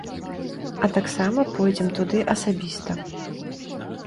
А таксама пойдзем туды асабіста.